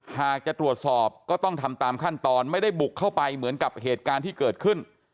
หากจะตรวจสอบก็ต้องทำตามขั้นตอนไม่ได้บุกเข้าไปเหมือนกับเหตุการณ์ที่เกิดขึ้น